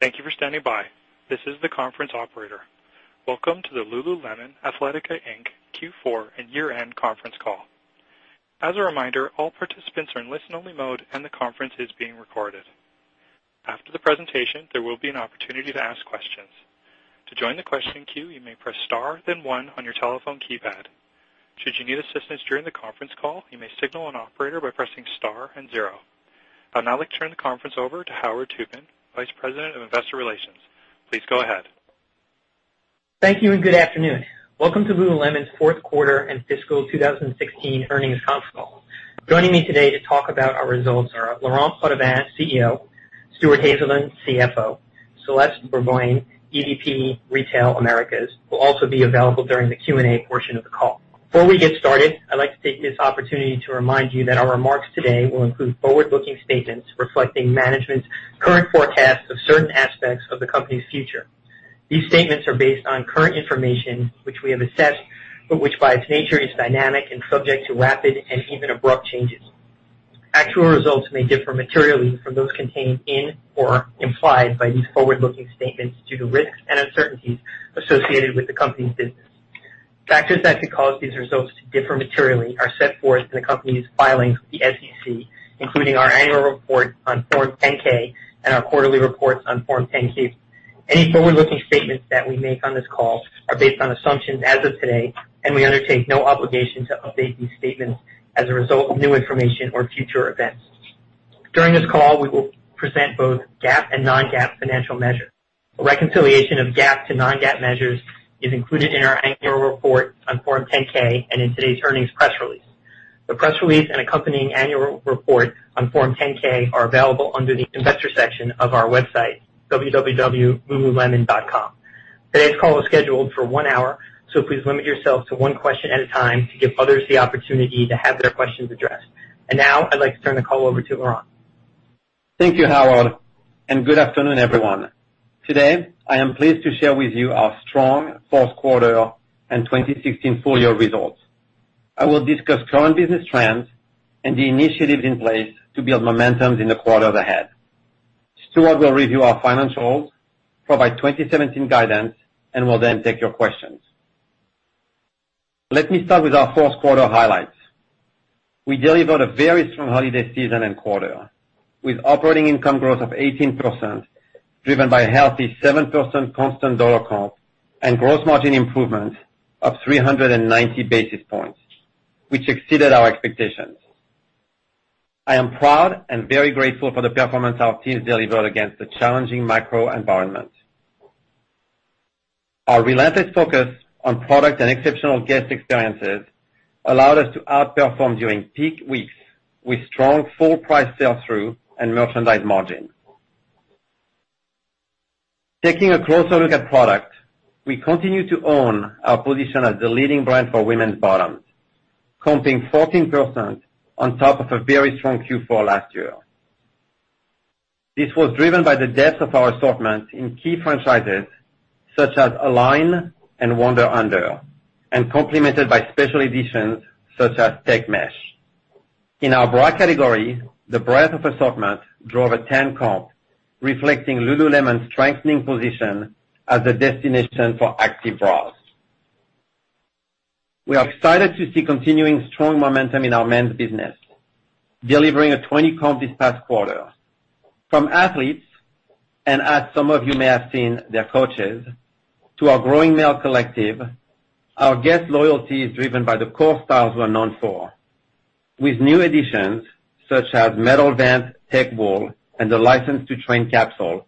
Thank you for standing by. This is the conference operator. Welcome to the Lululemon Athletica Inc. Q4 and year-end conference call. As a reminder, all participants are in listen-only mode, and the conference is being recorded. After the presentation, there will be an opportunity to ask questions. To join the question queue, you may press star then one on your telephone keypad. Should you need assistance during the conference call, you may signal an operator by pressing star and zero. I'd now like to turn the conference over to Howard Tubin, Vice President of Investor Relations. Please go ahead. Thank you, and good afternoon. Welcome to Lululemon's fourth quarter and fiscal 2016 earnings conference call. Joining me today to talk about our results are Laurent Potdevin, CEO, Stuart Haselden, CFO. Celeste Burgoyne, EVP Retail Americas, will also be available during the Q&A portion of the call. Before we get started, I'd like to take this opportunity to remind you that our remarks today will include forward-looking statements reflecting management's current forecasts of certain aspects of the company's future. These statements are based on current information, which we have assessed, but which, by its nature, is dynamic and subject to rapid and even abrupt changes. Actual results may differ materially from those contained in or implied by these forward-looking statements due to risks and uncertainties associated with the company's business. Factors that could cause these results to differ materially are set forth in the company's filings with the SEC, including our annual report on Form 10-K and our quarterly reports on Form 10-K. Any forward-looking statements that we make on this call are based on assumptions as of today, and we undertake no obligation to update these statements as a result of new information or future events. During this call, we will present both GAAP and non-GAAP financial measures. A reconciliation of GAAP to non-GAAP measures is included in our annual report on Form 10-K and in today's earnings press release. The press release and accompanying annual report on Form 10-K are available under the investor section of our website, www.lululemon.com. Today's call is scheduled for one hour, please limit yourselves to one question at a time to give others the opportunity to have their questions addressed. Now I'd like to turn the call over to Laurent. Thank you, Howard, and good afternoon, everyone. Today, I am pleased to share with you our strong fourth quarter and 2016 full year results. I will discuss current business trends and the initiatives in place to build momentum in the quarter ahead. Stuart will review our financials, provide 2017 guidance, and we will then take your questions. Let me start with our fourth quarter highlights. We delivered a very strong holiday season and quarter, with operating income growth of 18%, driven by a healthy 7% constant dollar comp and gross margin improvement of 390 basis points, which exceeded our expectations. I am proud and very grateful for the performance our teams delivered against the challenging macro environment. Our relentless focus on product and exceptional guest experiences allowed us to outperform during peak weeks with strong full price sell-through and merchandise margin. Taking a closer look at product, we continue to own our position as the leading brand for women's bottoms, comping 14% on top of a very strong Q4 last year. This was driven by the depth of our assortment in key franchises such as Align and Wunder Under, and complemented by special editions such as Tech Mesh. In our bra category, the breadth of assortment drove a 10 comp, reflecting Lululemon's strengthening position as a destination for active bras. We are excited to see continuing strong momentum in our men's business, delivering a 20 comp this past quarter. From athletes, and as some of you may have seen, their coaches, to our growing male collective, our guest loyalty is driven by the core styles we are known for. With new additions such as Metal Vent, Tech Wool, and the License to Train capsule,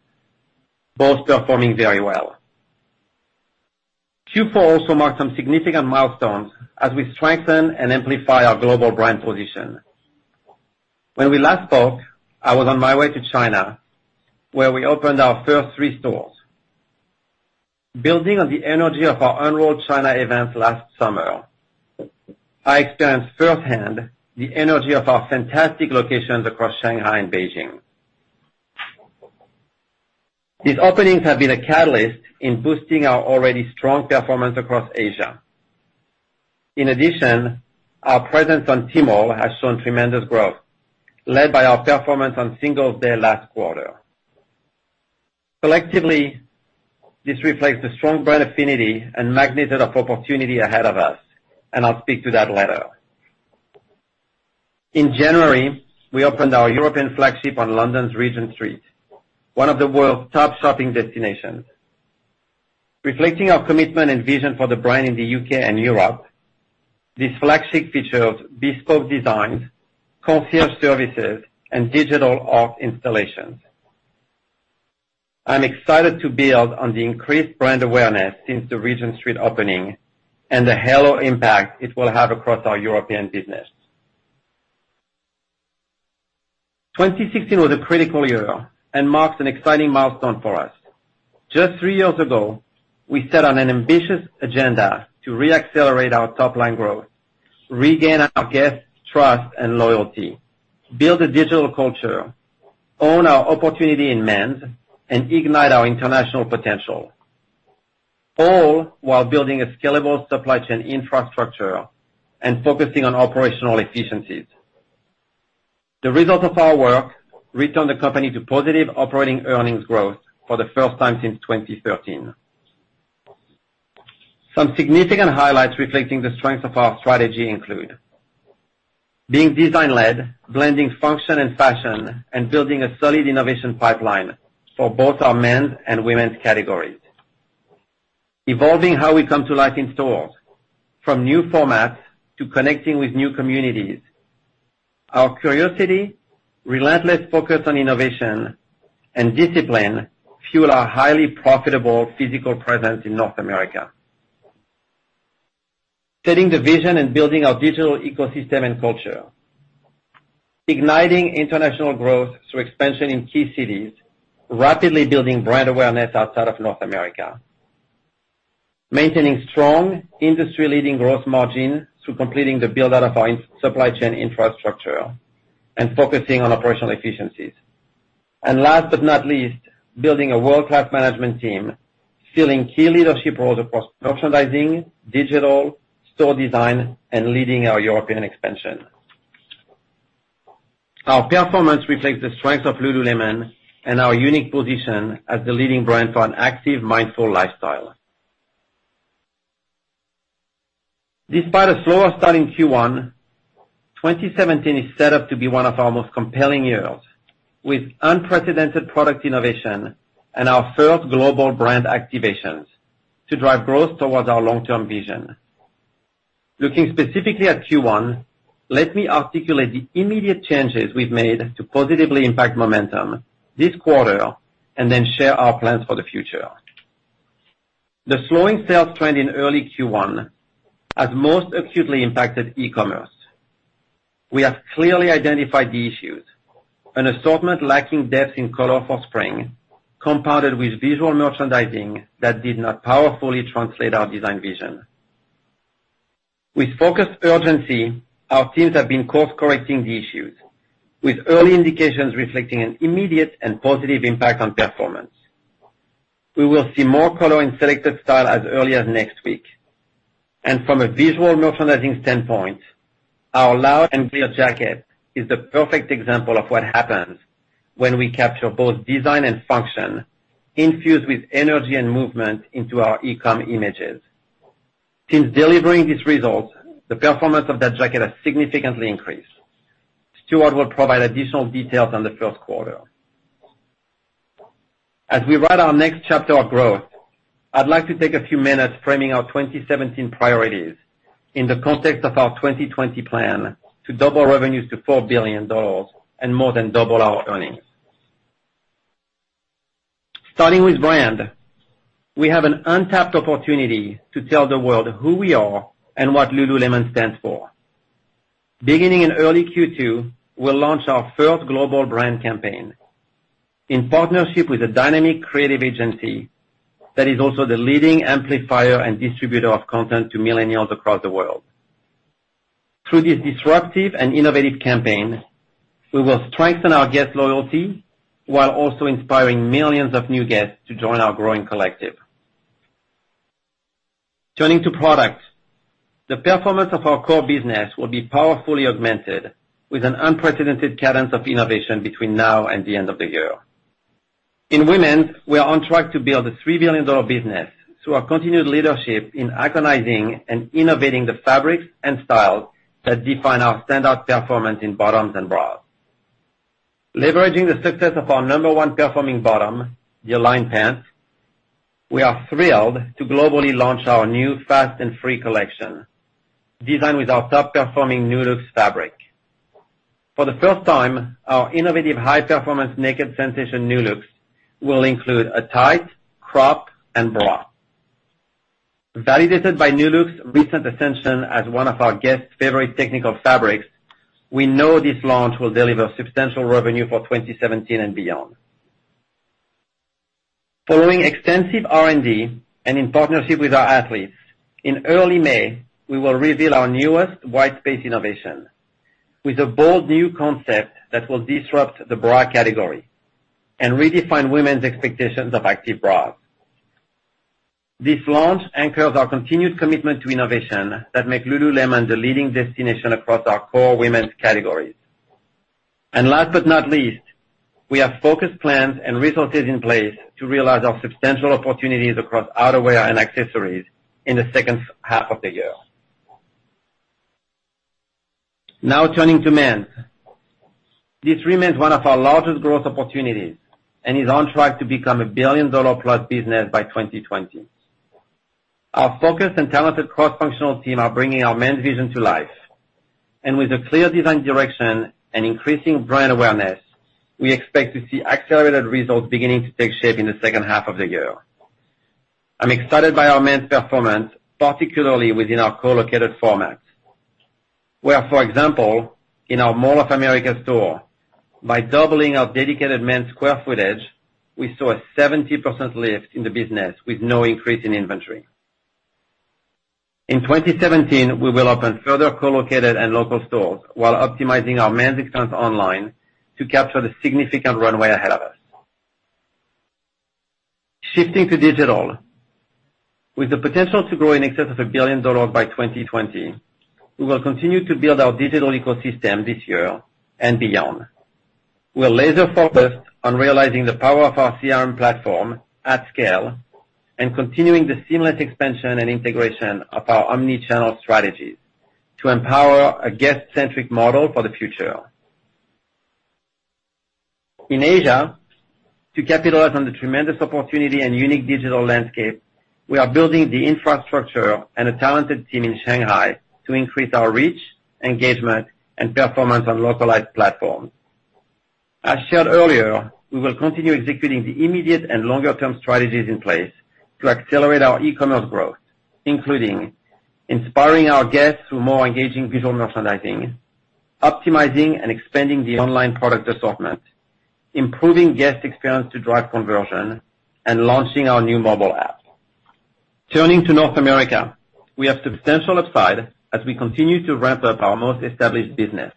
both performing very well. Q4 also marked some significant milestones as we strengthen and amplify our global brand position. When we last spoke, I was on my way to China, where we opened our first three stores. Building on the energy of our Unroll China event last summer, I experienced firsthand the energy of our fantastic locations across Shanghai and Beijing. These openings have been a catalyst in boosting our already strong performance across Asia. In addition, our presence on Tmall has shown tremendous growth, led by our performance on Singles' Day last quarter. Collectively, this reflects the strong brand affinity and magnitude of opportunity ahead of us, and I will speak to that later. In January, we opened our European flagship on London's Regent Street, one of the world's top shopping destinations. Reflecting our commitment and vision for the brand in the U.K. and Europe, this flagship featured bespoke designs, concierge services, and digital art installations. I am excited to build on the increased brand awareness since the Regent Street opening and the halo impact it will have across our European business. 2016 was a critical year and marks an exciting milestone for us. Just three years ago, we set on an ambitious agenda to re-accelerate our top-line growth, regain our guests' trust and loyalty, build a digital culture, own our opportunity in men's, and ignite our international potential. All while building a scalable supply chain infrastructure and focusing on operational efficiencies. The result of our work returned the company to positive operating earnings growth for the first time since 2013. Some significant highlights reflecting the strength of our strategy include being design-led, blending function and fashion, and building a solid innovation pipeline for both our men's and women's categories. Evolving how we come to life in stores, from new formats to connecting with new communities. Our curiosity, relentless focus on innovation, and discipline fuel our highly profitable physical presence in North America. Setting the vision and building our digital ecosystem and culture. Igniting international growth through expansion in key cities, rapidly building brand awareness outside of North America. Maintaining strong industry-leading gross margin through completing the build-out of our supply chain infrastructure and focusing on operational efficiencies. Last but not least, building a world-class management team, filling key leadership roles across merchandising, digital, store design, and leading our European expansion. Our performance reflects the strength of Lululemon and our unique position as the leading brand for an active, mindful lifestyle. Despite a slower start in Q1, 2017 is set up to be one of our most compelling years, with unprecedented product innovation and our first global brand activations to drive growth towards our long-term vision. Looking specifically at Q1, let me articulate the immediate changes we've made to positively impact momentum this quarter, then share our plans for the future. The slowing sales trend in early Q1 has most acutely impacted e-commerce. We have clearly identified the issues, an assortment lacking depth in color for spring, compounded with visual merchandising that did not powerfully translate our design vision. With focused urgency, our teams have been course-correcting the issues, with early indications reflecting an immediate and positive impact on performance. We will see more color in selected style as early as next week. From a visual merchandising standpoint, our Loud and Clear jacket is the perfect example of what happens when we capture both design and function, infused with energy and movement into our e-com images. Since delivering these results, the performance of that jacket has significantly increased. Stuart will provide additional details on the first quarter. As we write our next chapter of growth, I'd like to take a few minutes framing our 2017 priorities in the context of our 2020 plan to double revenues to 4 billion dollars and more than double our earnings. Starting with brand, we have an untapped opportunity to tell the world who we are and what Lululemon stands for. Beginning in early Q2, we'll launch our first global brand campaign in partnership with a dynamic creative agency that is also the leading amplifier and distributor of content to millennials across the world. Through this disruptive and innovative campaign, we will strengthen our guest loyalty while also inspiring millions of new guests to join our growing collective. Turning to product, the performance of our core business will be powerfully augmented with an unprecedented cadence of innovation between now and the end of the year. In women's, we are on track to build a 3 billion dollar business through our continued leadership in iconizing and innovating the fabrics and styles that define our standout performance in bottoms and bras. Leveraging the success of our number one performing bottom, the Align pants, we are thrilled to globally launch our new Fast and Free collection, designed with our top-performing Nulux fabric. For the first time, our innovative high-performance naked sensation Nulux will include a tight, crop, and bra. Validated by Nulux's recent ascension as one of our guests' favorite technical fabrics, we know this launch will deliver substantial revenue for 2017 and beyond. Following extensive R&D, and in partnership with our athletes, in early May, we will reveal our newest white space innovation with a bold new concept that will disrupt the bra category and redefine women's expectations of active bras. This launch anchors our continued commitment to innovation that make Lululemon the leading destination across our core women's categories. Last but not least, we have focused plans and resources in place to realize our substantial opportunities across outerwear and accessories in the second half of the year. Now turning to men's. This remains one of our largest growth opportunities and is on track to become a billion-dollar-plus business by 2020. Our focused and talented cross-functional team are bringing our men's vision to life. With a clear design direction and increasing brand awareness, we expect to see accelerated results beginning to take shape in the second half of the year. I'm excited by our men's performance, particularly within our co-located formats. Where, for example, in our Mall of America store, by doubling our dedicated men's square footage, we saw a 70% lift in the business with no increase in inventory. In 2017, we will open further co-located and local stores while optimizing our men's accounts online to capture the significant runway ahead of us. Shifting to digital. With the potential to grow in excess of 1 billion dollars by 2020, we will continue to build our digital ecosystem this year and beyond. We are laser-focused on realizing the power of our CRM platform at scale and continuing the seamless expansion and integration of our omni-channel strategies to empower a guest-centric model for the future. In Asia, to capitalize on the tremendous opportunity and unique digital landscape, we are building the infrastructure and a talented team in Shanghai to increase our reach, engagement, and performance on localized platforms. Shared earlier, we will continue executing the immediate and longer-term strategies in place to accelerate our e-commerce growth, including inspiring our guests through more engaging visual merchandising, optimizing and expanding the online product assortment, improving guest experience to drive conversion, and launching our new mobile app. Turning to North America, we have substantial upside as we continue to ramp up our most established business.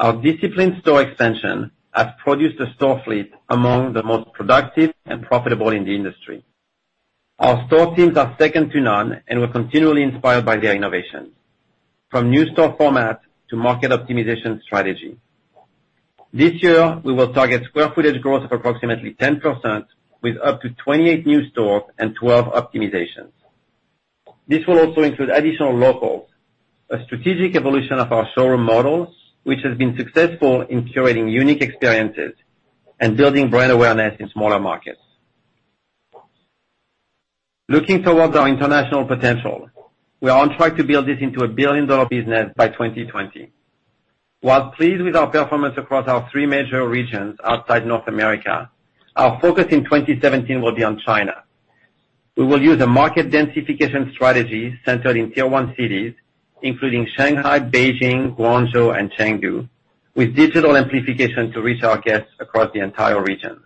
Our disciplined store expansion has produced a store fleet among the most productive and profitable in the industry. Our store teams are second to none, and we're continually inspired by their innovation, from new store format to market optimization strategy. This year, we will target square footage growth of approximately 10%, with up to 28 new stores and 12 optimizations. This will also include additional locals, a strategic evolution of our showroom models, which has been successful in curating unique experiences and building brand awareness in smaller markets. Looking towards our international potential, we are on track to build this into a billion-dollar business by 2020. Pleased with our performance across our three major regions outside North America, our focus in 2017 will be on China. We will use a market densification strategy centered in tier 1 cities, including Shanghai, Beijing, Guangzhou, and Chengdu, with digital amplification to reach our guests across the entire region.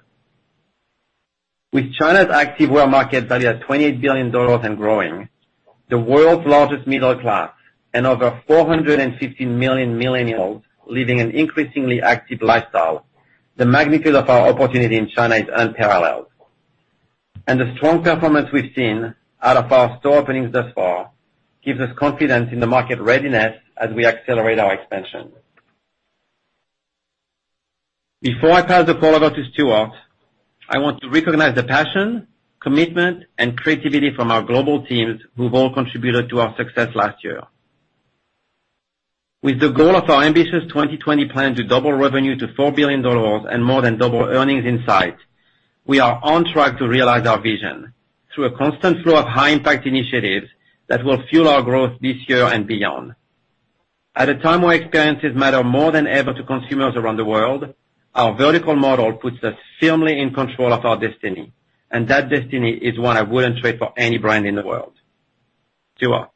With China's activewear market valued at 28 billion dollars and growing, the world's largest middle class, and over 450 million millennials living an increasingly active lifestyle, the magnitude of our opportunity in China is unparalleled, and the strong performance we've seen out of our store openings thus far gives us confidence in the market readiness as we accelerate our expansion. Before I pass the call over to Stuart, I want to recognize the passion, commitment, and creativity from our global teams who've all contributed to our success last year. Thanks, Laurent. With the goal of our ambitious 2020 plan to double revenue to CAD 4 billion and more than double earnings in sight, we are on track to realize our vision through a constant flow of high-impact initiatives that will fuel our growth this year and beyond. At a time where experiences matter more than ever to consumers around the world, our vertical model puts us firmly in control of our destiny, and that destiny is one I wouldn't trade for any brand in the world. Stuart.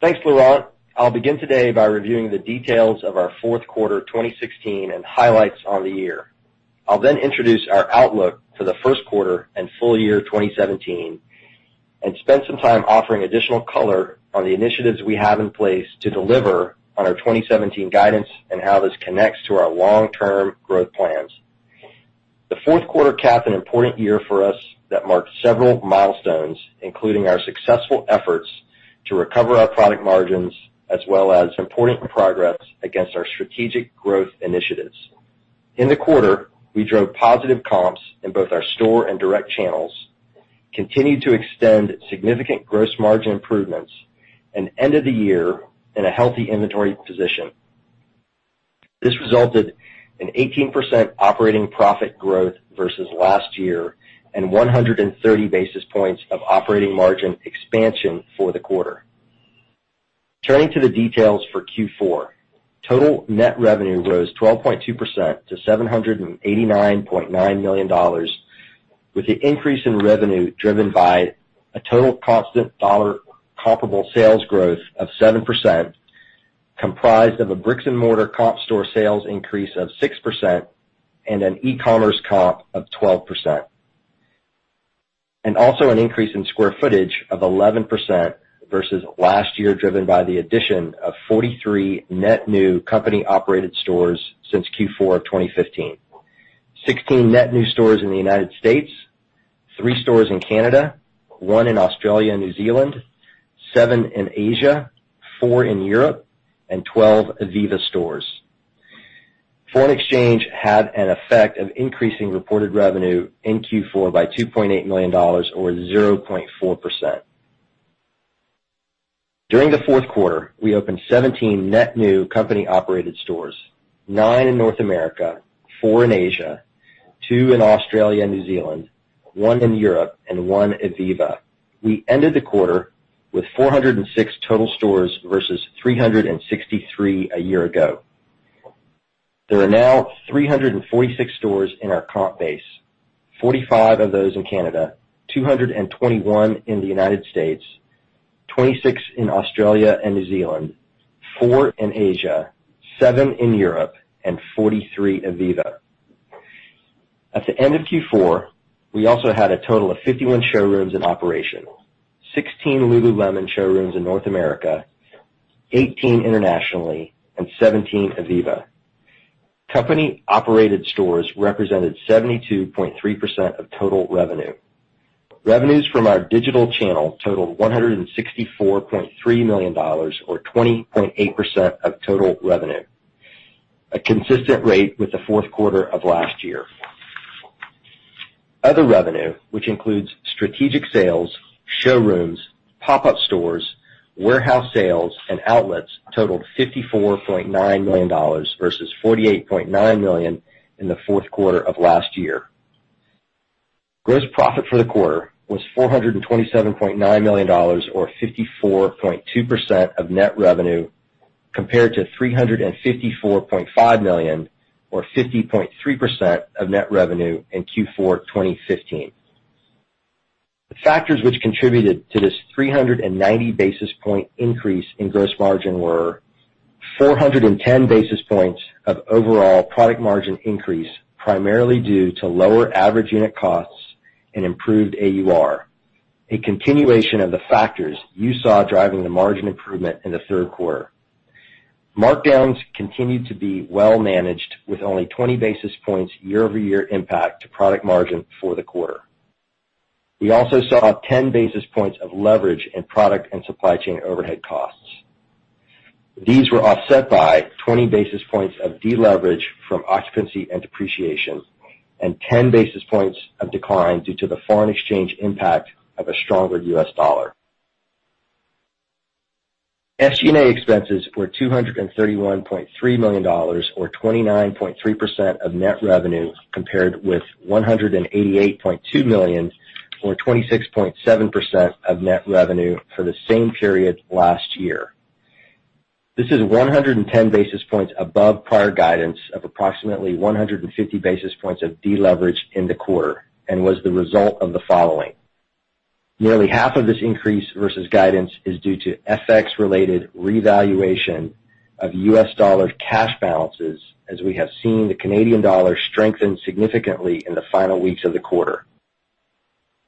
Thanks, Laurent. I'll begin today by reviewing the details of our fourth quarter 2016 and highlights on the year. I'll then introduce our outlook for the first quarter and full year 2017 and spend some time offering additional color on the initiatives we have in place to deliver on our 2017 guidance and how this connects to our long-term growth plans. The fourth quarter capped an important year for us that marked several milestones, including our successful efforts to recover our product margins, as well as important progress against our strategic growth initiatives. In the quarter, we drove positive comps in both our store and direct channels, continued to extend significant gross margin improvements, and end of the year in a healthy inventory position. This resulted in 18% operating profit growth versus last year and 130 basis points of operating margin expansion for the quarter. Turning to the details for Q4. Total net revenue rose 12.2% to 789.9 million dollars, with the increase in revenue driven by a total constant dollar comparable sales growth of 7%, comprised of a bricks and mortar comp store sales increase of 6% and an e-commerce comp of 12%. Also an increase in square footage of 11% versus last year, driven by the addition of 43 net new company-operated stores since Q4 of 2015. 16 net new stores in the United States, three stores in Canada, one in Australia and New Zealand, seven in Asia, four in Europe, and 12 ivivva stores. Foreign exchange had an effect of increasing reported revenue in Q4 by 2.8 million dollars or 0.4%. During the fourth quarter, we opened 17 net new company-operated stores. Nine in North America, four in Asia, two in Australia and New Zealand, one in Europe, and one ivivva. We ended the quarter with 406 total stores versus 363 a year ago. There are now 346 stores in our comp base, 45 of those in Canada, 221 in the U.S., 26 in Australia and New Zealand, four in Asia, seven in Europe, and 43 ivivva. At the end of Q4, we also had a total of 51 showrooms in operation, 16 Lululemon showrooms in North America, 18 internationally, and 17 ivivva. Company operated stores represented 72.3% of total revenue. Revenues from our digital channel totaled $164.3 million or 20.8% of total revenue, a consistent rate with the fourth quarter of last year. Other revenue, which includes strategic sales, showrooms, pop-up stores, warehouse sales, and outlets totaled $54.9 million versus $48.9 million in the fourth quarter of last year. Gross profit for the quarter was $427.9 million or 54.2% of net revenue, compared to $354.5 million or 50.3% of net revenue in Q4 2015. The factors which contributed to this 390 basis point increase in gross margin were 410 basis points of overall product margin increase, primarily due to lower average unit costs and improved AUR. A continuation of the factors you saw driving the margin improvement in the third quarter. Markdowns continued to be well managed with only 20 basis points year-over-year impact to product margin for the quarter. We also saw 10 basis points of leverage in product and supply chain overhead costs. These were offset by 20 basis points of deleverage from occupancy and depreciation and 10 basis points of decline due to the foreign exchange impact of a stronger U.S. dollar. SG&A expenses were $231.3 million or 29.3% of net revenue, compared with $188.2 million or 26.7% of net revenue for the same period last year. This is 110 basis points above prior guidance of approximately 150 basis points of deleverage in the quarter and was the result of the following. Nearly half of this increase versus guidance is due to FX related revaluation of U.S. dollar cash balances as we have seen the Canadian dollar strengthen significantly in the final weeks of the quarter.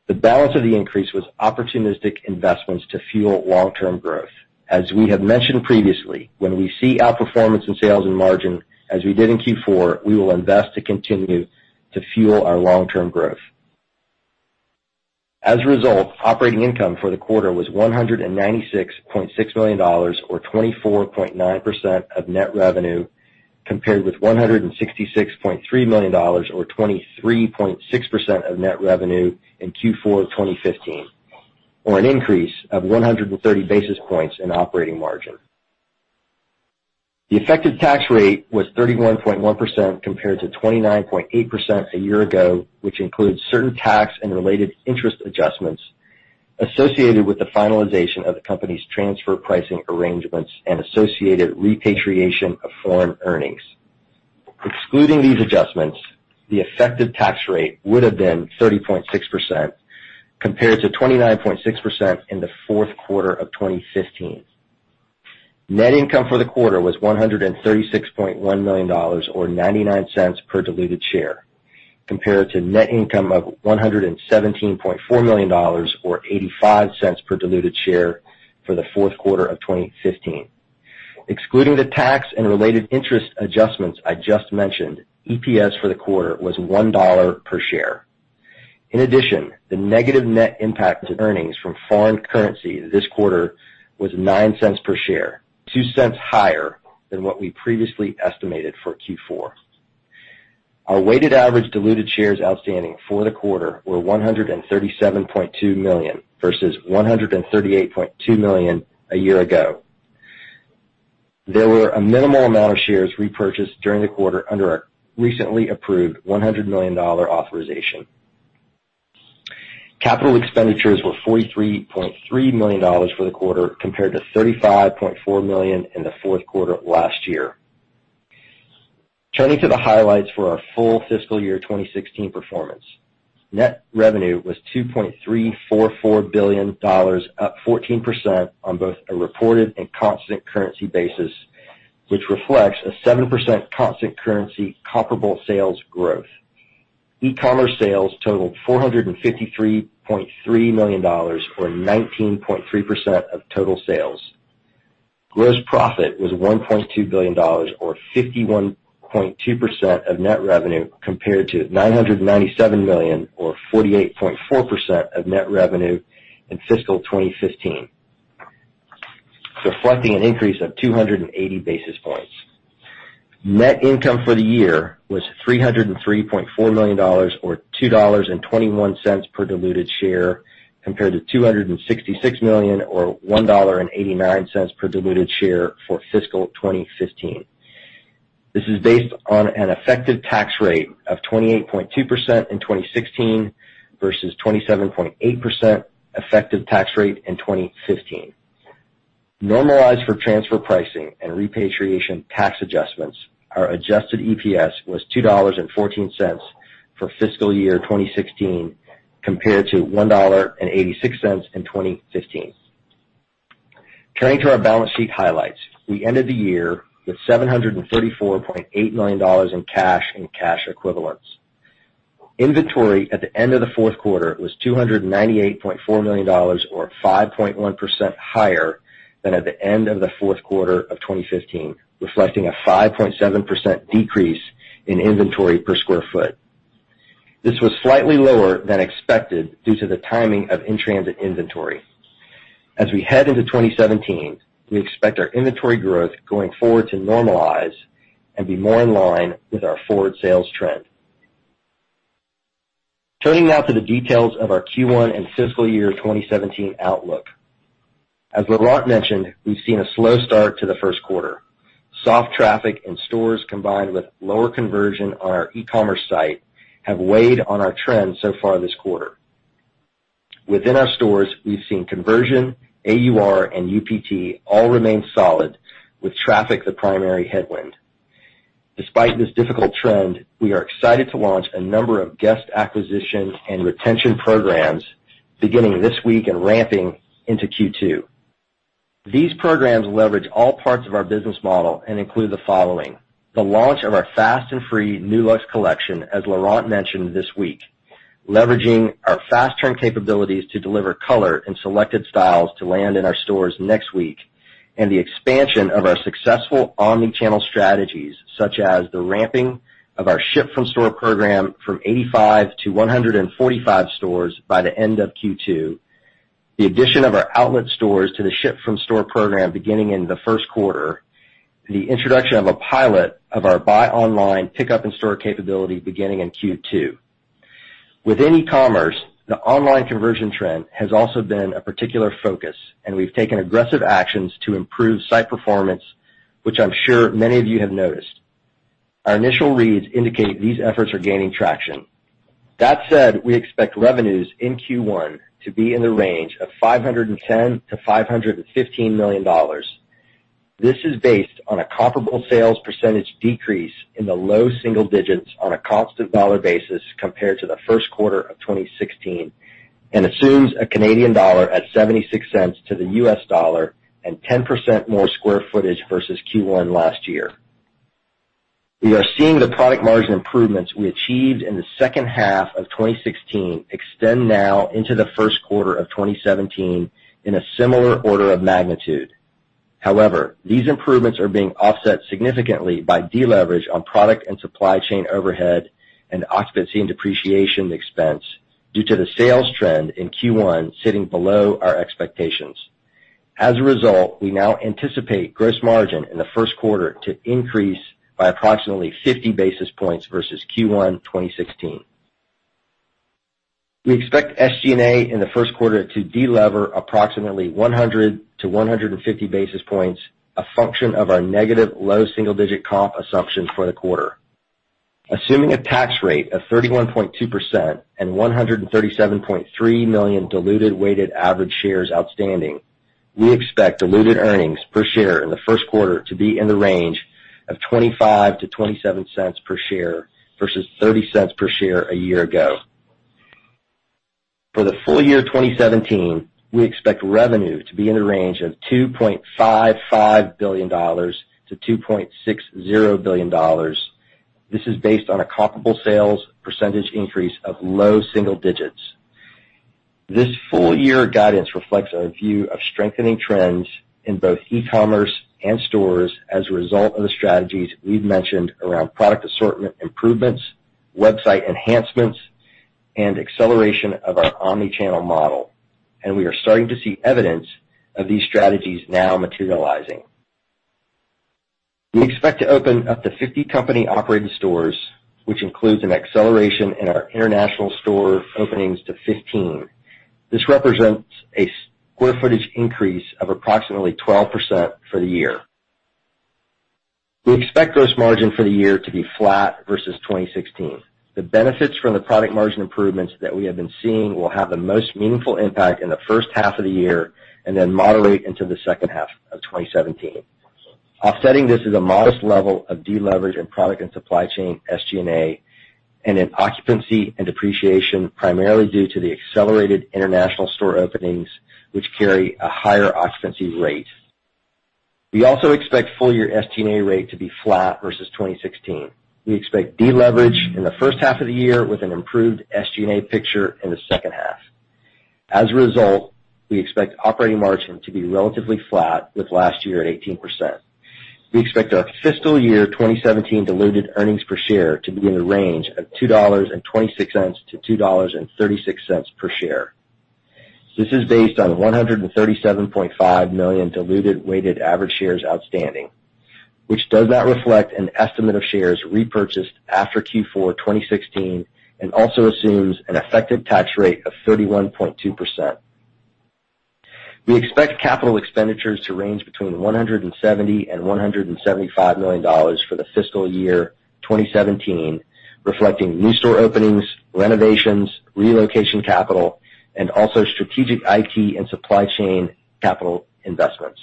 The balance of the increase was opportunistic investments to fuel long-term growth. As we have mentioned previously, when we see outperformance in sales and margin, as we did in Q4, we will invest to continue to fuel our long-term growth. As a result, operating income for the quarter was $196.6 million, or 24.9% of net revenue, compared with $166.3 million, or 23.6% of net revenue in Q4 2015, or an increase of 130 basis points in operating margin. The effective tax rate was 31.1% compared to 29.8% a year ago, which includes certain tax and related interest adjustments associated with the finalization of the company's transfer pricing arrangements and associated repatriation of foreign earnings. Excluding these adjustments, the effective tax rate would have been 30.6% compared to 29.6% in the fourth quarter of 2015. Net income for the quarter was $136.1 million, or $0.99 per diluted share, compared to net income of $117.4 million or $0.85 per diluted share for the fourth quarter of 2015. Excluding the tax and related interest adjustments I just mentioned, EPS for the quarter was $1 per share. In addition, the negative net impact to earnings from foreign currency this quarter was 0.09 per share, 0.02 higher than what we previously estimated for Q4. Our weighted average diluted shares outstanding for the quarter were 137.2 million, versus 138.2 million a year ago. There were a minimal amount of shares repurchased during the quarter under our recently approved 100 million dollar authorization. Capital expenditures were 43.3 million dollars for the quarter, compared to 35.4 million in the fourth quarter last year. Turning to the highlights for our full fiscal year 2016 performance. Net revenue was 2.344 billion dollars, up 14% on both a reported and constant currency basis, which reflects a 7% constant currency comparable sales growth. E-commerce sales totaled 453.3 million dollars, or 19.3% of total sales. Gross profit was 1.2 billion dollars, or 51.2% of net revenue, compared to 997 million or 48.4% of net revenue in fiscal 2015, reflecting an increase of 280 basis points. Net income for the year was 303.4 million dollars, or 2.21 dollars per diluted share, compared to 266 million or 1.89 dollar per diluted share for fiscal 2015. This is based on an effective tax rate of 28.2% in 2016 versus 27.8% effective tax rate in 2015. Normalized for transfer pricing and repatriation tax adjustments, our adjusted EPS was 2.14 dollars for fiscal year 2016, compared to 1.86 dollar in 2015. Turning to our balance sheet highlights, we ended the year with 734.8 million dollars in cash and cash equivalents. Inventory at the end of the fourth quarter was CAD 298.4 million, or 5.1% higher than at the end of the fourth quarter of 2015, reflecting a 5.7% decrease in inventory per square foot. This was slightly lower than expected due to the timing of in-transit inventory. As we head into 2017, we expect our inventory growth going forward to normalize and be more in line with our forward sales trend. Turning now to the details of our Q1 and fiscal year 2017 outlook. As Laurent Potdevin mentioned, we've seen a slow start to the first quarter. Soft traffic in stores, combined with lower conversion on our e-commerce site, have weighed on our trend so far this quarter. Within our stores, we've seen conversion, AUR, and UPT all remain solid, with traffic the primary headwind. Despite this difficult trend, we are excited to launch a number of guest acquisition and retention programs beginning this week and ramping into Q2. These programs leverage all parts of our business model and include the following: the launch of our Fast and Free Nulux collection, as Laurent Potdevin mentioned this week, leveraging our fast turn capabilities to deliver color and selected styles to land in our stores next week, and the expansion of our successful omni-channel strategies, such as the ramping of our ship from store program from 85 to 145 stores by the end of Q2, the addition of our outlet stores to the ship from store program beginning in the first quarter, the introduction of a pilot of our buy online, pickup in store capability beginning in Q2. Within e-commerce, the online conversion trend has also been a particular focus, and we've taken aggressive actions to improve site performance, which I'm sure many of you have noticed. Our initial reads indicate these efforts are gaining traction. That said, we expect revenues in Q1 to be in the range of $510 million-$515 million. This is based on a comparable sales percentage decrease in the low single digits on a constant dollar basis compared to the first quarter of 2016, and assumes a Canadian dollar at $0.76 to the U.S. dollar and 10% more square footage versus Q1 last year. We are seeing the product margin improvements we achieved in the second half of 2016 extend now into the first quarter of 2017 in a similar order of magnitude. However, these improvements are being offset significantly by deleverage on product and supply chain overhead and occupancy and depreciation expense due to the sales trend in Q1 sitting below our expectations. As a result, we now anticipate gross margin in the first quarter to increase by approximately 50 basis points versus Q1 2016. We expect SG&A in the first quarter to delever approximately 100-150 basis points, a function of our negative low single-digit comp assumptions for the quarter. Assuming a tax rate of 31.2% and 137.3 million diluted weighted average shares outstanding, we expect diluted earnings per share in the first quarter to be in the range of $0.25-$0.27 per share versus $0.30 per share a year ago. For the full year 2017, we expect revenue to be in the range of $2.55 billion-$2.60 billion. This is based on a comparable sales percentage increase of low single digits. This full year guidance reflects our view of strengthening trends in both e-commerce and stores as a result of the strategies we've mentioned around product assortment improvements, website enhancements, and acceleration of our omni-channel model, and we are starting to see evidence of these strategies now materializing. We expect to open up to 50 company-operated stores, which includes an acceleration in our international store openings to 15. This represents a square footage increase of approximately 12% for the year. We expect gross margin for the year to be flat versus 2016. The benefits from the product margin improvements that we have been seeing will have the most meaningful impact in the first half of the year and then moderate into the second half of 2017. Offsetting this is a modest level of deleverage in product and supply chain SG&A and in occupancy and depreciation, primarily due to the accelerated international store openings, which carry a higher occupancy rate. We also expect full year SG&A rate to be flat versus 2016. We expect deleverage in the first half of the year with an improved SG&A picture in the second half. As a result, we expect operating margin to be relatively flat with last year at 18%. We expect our fiscal year 2017 diluted earnings per share to be in the range of $2.26-$2.36 per share. This is based on 137.5 million diluted weighted average shares outstanding, which does not reflect an estimate of shares repurchased after Q4 2016 and also assumes an effective tax rate of 31.2%. We expect capital expenditures to range between $170 million-$175 million for the fiscal year 2017, reflecting new store openings, renovations, relocation capital, and also strategic IT and supply chain capital investments.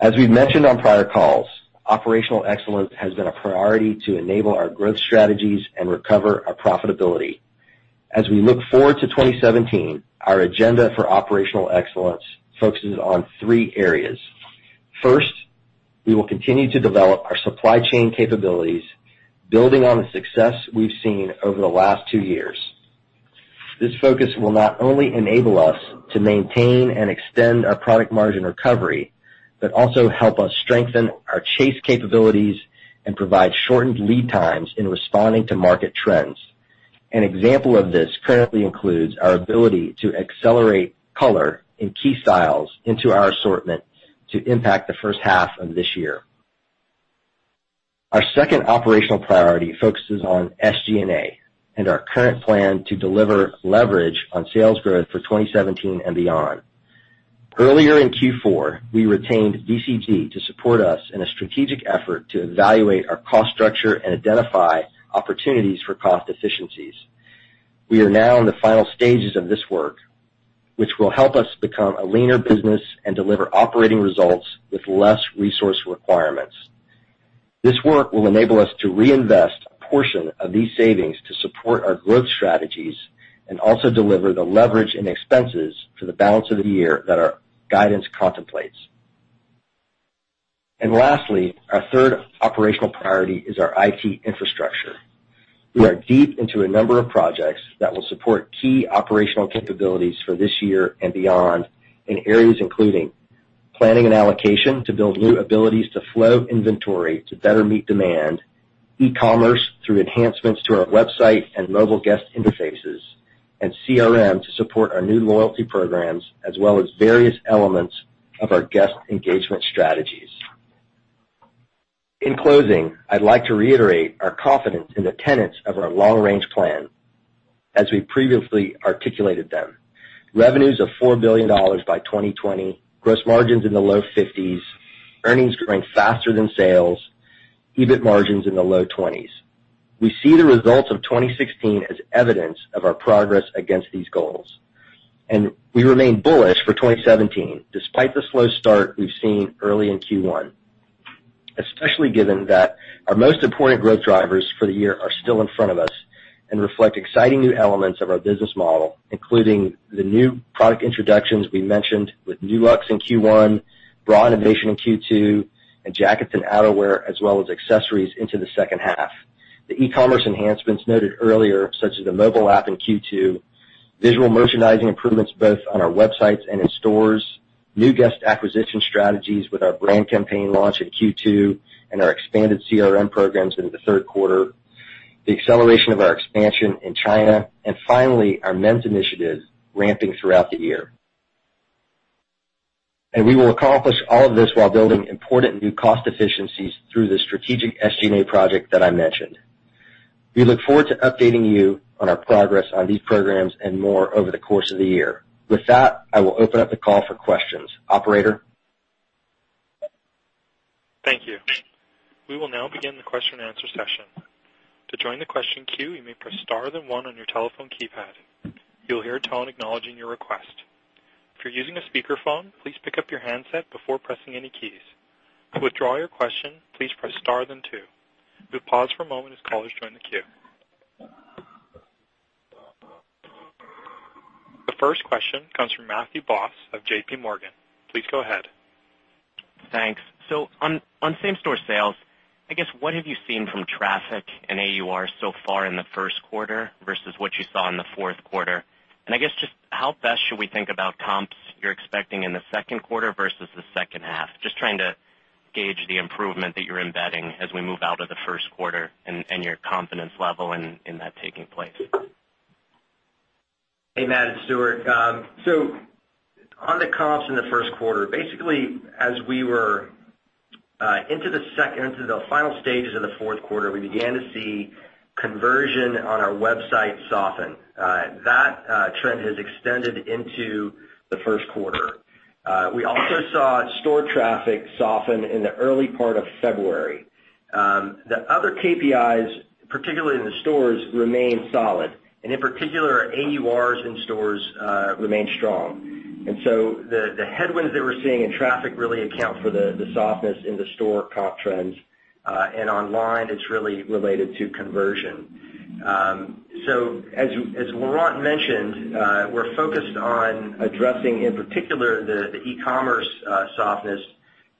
As we've mentioned on prior calls, operational excellence has been a priority to enable our growth strategies and recover our profitability. As we look forward to 2017, our agenda for operational excellence focuses on three areas. First, we will continue to develop our supply chain capabilities, building on the success we've seen over the last two years. This focus will not only enable us to maintain and extend our product margin recovery, but also help us strengthen our chase capabilities and provide shortened lead times in responding to market trends. An example of this currently includes our ability to accelerate color in key styles into our assortment to impact the first half of this year. Our second operational priority focuses on SG&A and our current plan to deliver leverage on sales growth for 2017 and beyond. Earlier in Q4, we retained BCG to support us in a strategic effort to evaluate our cost structure and identify opportunities for cost efficiencies. We are now in the final stages of this work, which will help us become a leaner business and deliver operating results with less resource requirements. Lastly, our third operational priority is our IT infrastructure. We are deep into a number of projects that will support key operational capabilities for this year and beyond in areas including planning and allocation to build new abilities to flow inventory to better meet demand, e-commerce through enhancements to our website and mobile guest interfaces, and CRM to support our new loyalty programs, as well as various elements of our guest engagement strategies. In closing, I'd like to reiterate our confidence in the tenets of our long-range plan as we previously articulated them. Revenues of 4 billion dollars by 2020, gross margins in the low 50s, earnings growing faster than sales, EBIT margins in the low 20s. We see the results of 2016 as evidence of our progress against these goals, and we remain bullish for 2017, despite the slow start we've seen early in Q1. Especially given that our most important growth drivers for the year are still in front of us and reflect exciting new elements of our business model, including the new product introductions we mentioned with Nulux in Q1, bra innovation in Q2, and jackets and outerwear as well as accessories into the second half. The e-commerce enhancements noted earlier, such as the mobile app in Q2, visual merchandising improvements both on our websites and in stores, new guest acquisition strategies with our brand campaign launch in Q2 and our expanded CRM programs into the third quarter, the acceleration of our expansion in China, and finally, our men's initiatives ramping throughout the year. We will accomplish all of this while building important new cost efficiencies through the strategic SG&A project that I mentioned. We look forward to updating you on our progress on these programs and more over the course of the year. With that, I will open up the call for questions. Operator. Thank you. We will now begin the question and answer session. To join the question queue, you may press star then one on your telephone keypad. You will hear a tone acknowledging your request. If you are using a speakerphone, please pick up your handset before pressing any keys. To withdraw your question, please press star then two. We will pause for a moment as callers join the queue. The first question comes from Matthew Boss of JPMorgan. Please go ahead. Thanks. On same-store sales, I guess what have you seen from traffic and AUR so far in the first quarter versus what you saw in the fourth quarter? I guess just how best should we think about comps you are expecting in the second quarter versus the second half? Just trying to gauge the improvement that you are embedding as we move out of the first quarter and your confidence level in that taking place. Hey, Matt, it is Stuart. On the comps in the first quarter, basically, as we were into the final stages of the fourth quarter, we began to see conversion on our website soften. That trend has extended into the first quarter. We also saw store traffic soften in the early part of February. The other KPIs, particularly in the stores, remain solid, and in particular, AURs in stores remain strong. The headwinds that we are seeing in traffic really account for the softness in the store comp trends, and online, it is really related to conversion. As Laurent mentioned, we are focused on addressing, in particular, the e-commerce softness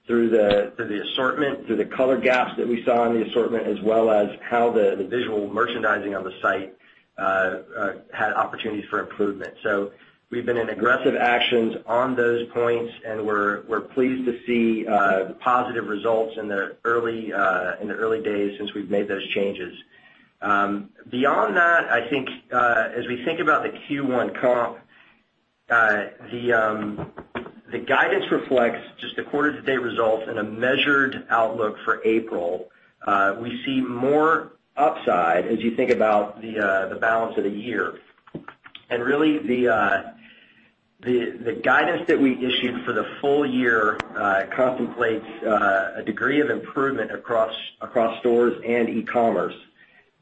through the assortment, through the color gaps that we saw in the assortment, as well as how the visual merchandising on the site had opportunities for improvement. We have been in aggressive actions on those points, and we are pleased to see the positive results in the early days since we have made those changes. Beyond that, I think as we think about the Q1 comp, the guidance reflects just the quarter-to-date results and a measured outlook for April. We see more upside as you think about the balance of the year. Really, the guidance that we issued for the full year contemplates a degree of improvement across stores and e-commerce.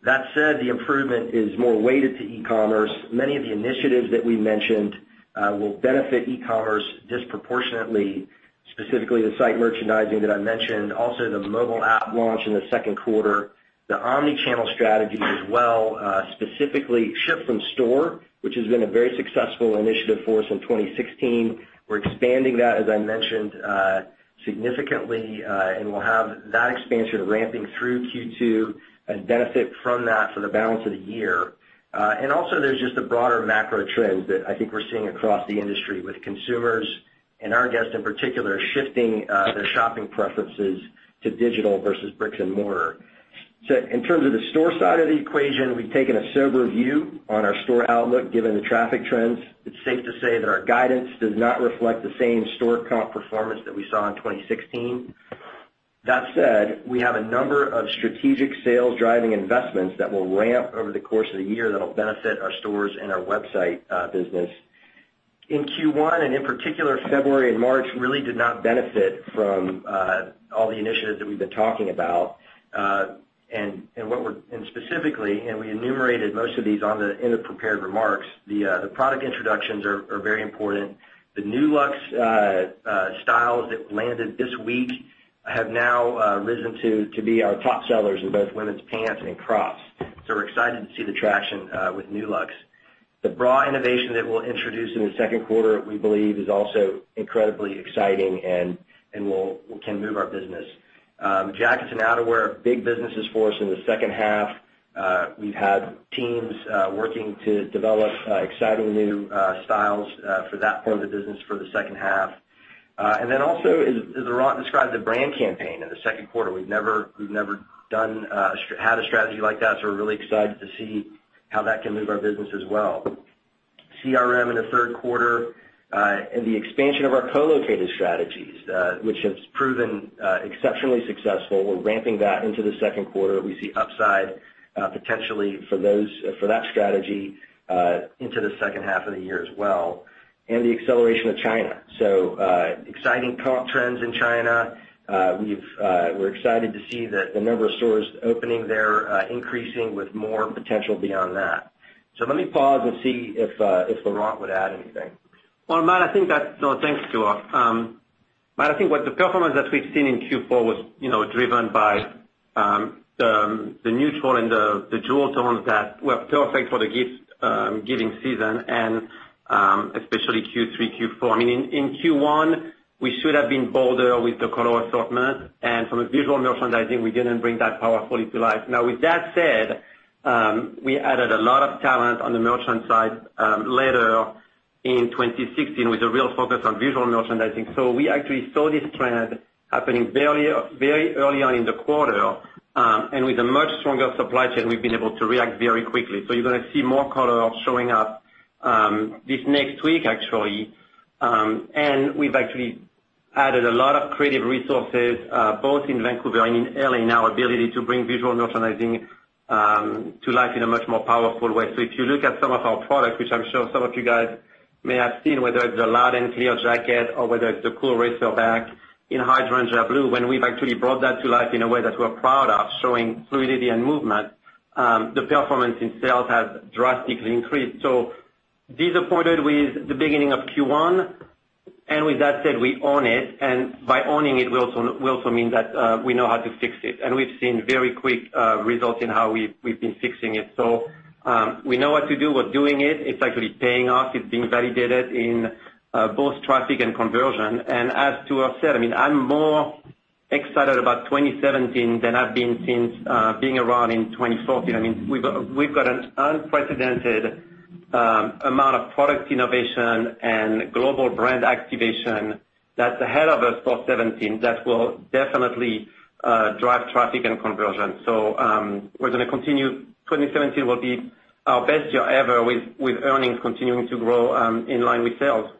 That said, the improvement is more weighted to e-commerce. Many of the initiatives that we mentioned will benefit e-commerce disproportionately, specifically the site merchandising that I mentioned, also the mobile app launch in the second quarter. The omni-channel strategy as well, specifically ship from store, which has been a very successful initiative for us in 2016. We're expanding that, as I mentioned, significantly, and we'll have that expansion ramping through Q2 and benefit from that for the balance of the year. Also there's just the broader macro trends that I think we're seeing across the industry with consumers and our guests in particular, shifting their shopping preferences to digital versus bricks and mortar. In terms of the store side of the equation, we've taken a sober view on our store outlook, given the traffic trends. It's safe to say that our guidance does not reflect the same store comp performance that we saw in 2016. That said, we have a number of strategic sales driving investments that will ramp over the course of the year that'll benefit our stores and our website business. In Q1, and in particular, February and March, really did not benefit from all the initiatives that we've been talking about. Specifically, and we enumerated most of these in the prepared remarks, the product introductions are very important. The Nulux styles that landed this week have now risen to be our top sellers in both women's pants and crops. We're excited to see the traction with Nulux. The bra innovation that we'll introduce in the second quarter, we believe is also incredibly exciting and can move our business. Jackets and outerwear are big businesses for us in the second half. We've had teams working to develop exciting new styles for that form of the business for the second half. Also, as Laurent described, the brand campaign in the second quarter. We've never had a strategy like that, so we're really excited to see how that can move our business as well. CRM in the third quarter, and the expansion of our co-located strategies, which have proven exceptionally successful. We're ramping that into the second quarter. We see upside, potentially, for that strategy into the second half of the year as well. The acceleration of China. Exciting comp trends in China. We're excited to see the number of stores opening there increasing with more potential beyond that. Let me pause and see if Laurent would add anything. Well, Matt, thanks, Stuart. Matt, I think the performance that we've seen in Q4 was driven by the neutral and the jewel tones that were perfect for the gift-giving season, and especially Q3, Q4. In Q1, we should have been bolder with the color assortment, and from a visual merchandising, we didn't bring that powerfully to life. Now, with that said, we added a lot of talent on the merchant side later in 2016, with a real focus on visual merchandising. We actually saw this trend happening very early on in the quarter. With a much stronger supply chain, we've been able to react very quickly. You're going to see more color showing up this next week, actually. We've actually added a lot of creative resources, both in Vancouver and in L.A., in our ability to bring visual merchandising to life in a much more powerful way. If you look at some of our products, which I'm sure some of you guys may have seen, whether it's the Loud and Clear jacket or whether it's the Cool Racerback in Hydrangea Blue, when we've actually brought that to life in a way that we're proud of, showing fluidity and movement, the performance in sales has drastically increased. Disappointed with the beginning of Q1, with that said, we own it, and by owning it, we also mean that we know how to fix it. We've seen very quick results in how we've been fixing it. We know what to do. We're doing it. It's actually paying off. It's being validated in both traffic and conversion. As Stuart said, I'm more excited about 2017 than I've been since being around in 2014. We've got an unprecedented amount of product innovation and global brand activation that's ahead of us for 2017 that will definitely drive traffic and conversion. We're going to continue. 2017 will be our best year ever with earnings continuing to grow in line with sales.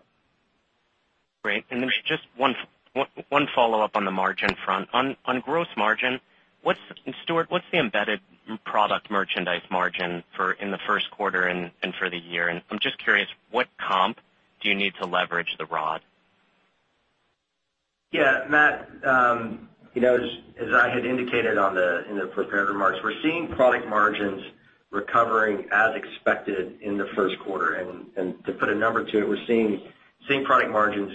Great. Then just one follow-up on the margin front. On gross margin, Stuart, what's the embedded product merchandise margin in the first quarter and for the year? I'm just curious, what comp do you need to leverage the rod? Matt. As I had indicated in the prepared remarks, we're seeing product margins recovering as expected in the first quarter. To put a number to it, we're seeing product margins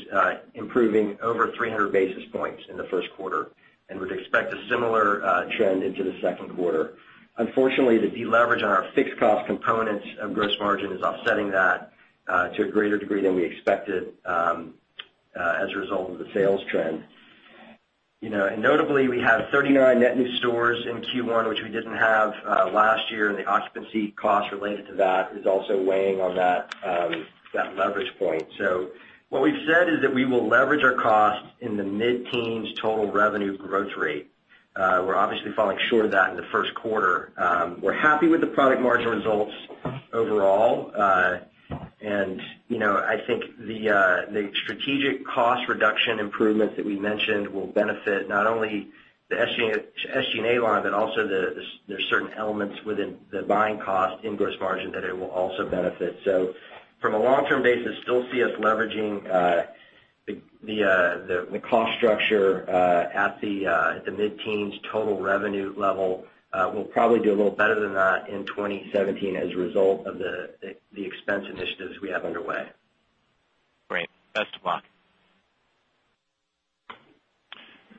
improving over 300 basis points in the first quarter and would expect a similar trend into the second quarter. Unfortunately, the deleverage on our fixed cost components of gross margin is offsetting that to a greater degree than we expected as a result of the sales trend. Notably, we have 39 net new stores in Q1, which we didn't have last year, and the occupancy costs related to that is also weighing on that leverage point. What we've said is that we will leverage our costs in the mid-teens total revenue growth rate. We're obviously falling short of that in the first quarter. We're happy with the product margin results overall. I think the strategic cost reduction improvements that we mentioned will benefit not only the SG&A line, but also there's certain elements within the buying cost in gross margin that it will also benefit. From a long-term basis, still see us leveraging The cost structure at the mid-teens total revenue level will probably do a little better than that in 2017 as a result of the expense initiatives we have underway. Great. Best of luck.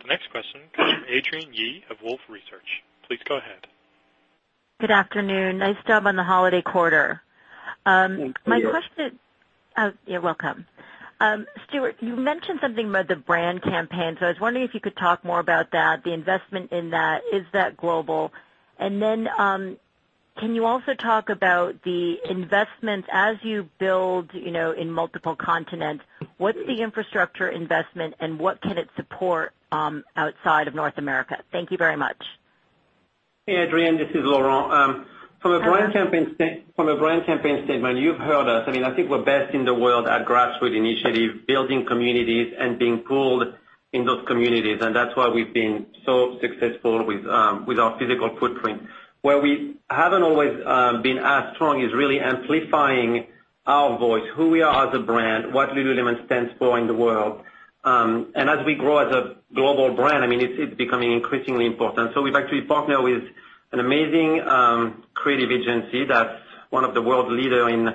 The next question comes from Adrienne Yih of Wolfe Research. Please go ahead. Good afternoon. Nice job on the holiday quarter. Thanks. You're welcome. Stuart, you mentioned something about the brand campaign. I was wondering if you could talk more about that, the investment in that. Is that global? Can you also talk about the investments as you build in multiple continents. What's the infrastructure investment and what can it support outside of North America? Thank you very much. Hey, Adrienne, this is Laurent. From a brand campaign statement, you've heard us. I think we're best in the world at grassroots initiative, building communities, and being pulled in those communities, and that's why we've been so successful with our physical footprint. Where we haven't always been as strong is really amplifying our voice, who we are as a brand, what Lululemon stands for in the world. As we grow as a global brand, it's becoming increasingly important. We've actually partnered with an amazing creative agency that's one of the world's leader in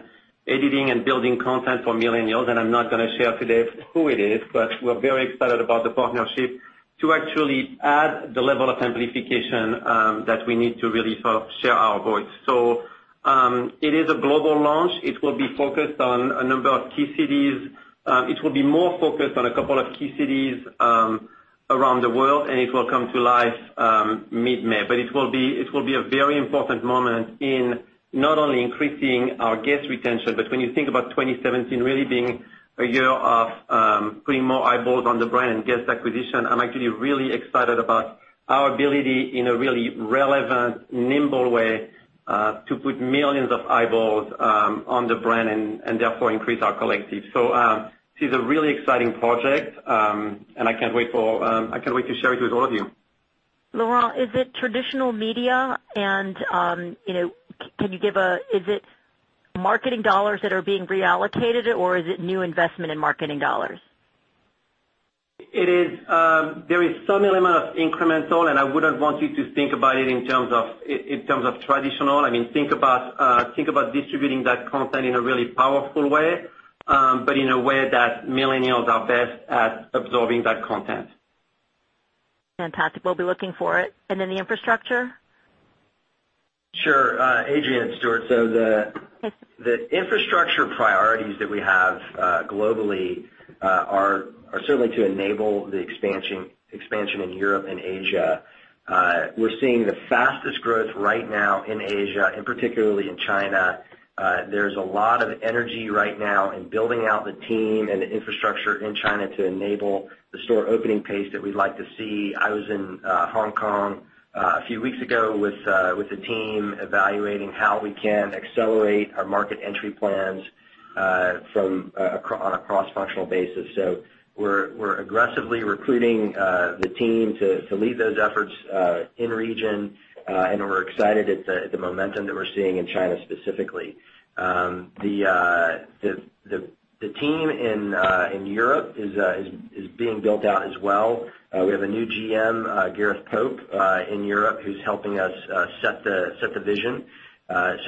editing and building content for millennials, and I'm not going to share today who it is, but we're very excited about the partnership to actually add the level of amplification that we need to really share our voice. It is a global launch. It will be focused on a number of key cities. It will be more focused on a couple of key cities around the world, and it will come to life mid-May. It will be a very important moment in not only increasing our guest retention, but when you think about 2017 really being a year of putting more eyeballs on the brand and guest acquisition, I'm actually really excited about our ability, in a really relevant, nimble way, to put millions of eyeballs on the brand and therefore increase our collective. This is a really exciting project, and I can't wait to share it with all of you. Laurent, is it traditional media? Is it marketing dollars that are being reallocated, or is it new investment in marketing dollars? There is some element of incremental, I wouldn't want you to think about it in terms of traditional. Think about distributing that content in a really powerful way, but in a way that millennials are best at absorbing that content. Fantastic. We'll be looking for it. Then the infrastructure? Sure. Adrienne, it's Stuart. The infrastructure priorities that we have globally are certainly to enable the expansion in Europe and Asia. We're seeing the fastest growth right now in Asia, and particularly in China. There's a lot of energy right now in building out the team and the infrastructure in China to enable the store opening pace that we'd like to see. I was in Hong Kong a few weeks ago with the team evaluating how we can accelerate our market entry plans on a cross-functional basis. We're aggressively recruiting the team to lead those efforts in region, and we're excited at the momentum that we're seeing in China specifically. The team in Europe is being built out as well. We have a new GM, Gareth Pope, in Europe, who's helping us set the vision. I'm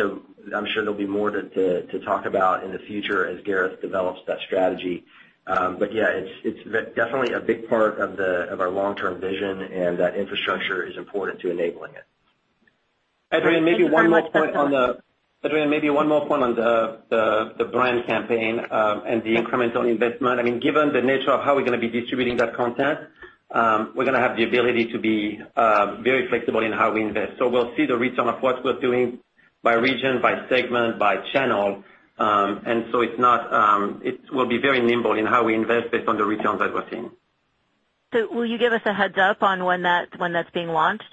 sure there'll be more to talk about in the future as Gareth develops that strategy. Yeah, it's definitely a big part of our long-term vision, and that infrastructure is important to enabling it. I just had one- Adrienne, maybe one more point on the brand campaign and the incremental investment. Given the nature of how we're going to be distributing that content, we're going to have the ability to be very flexible in how we invest. We'll see the return of what we're doing by region, by segment, by channel. It will be very nimble in how we invest based on the returns that we're seeing. Will you give us a heads up on when that's being launched?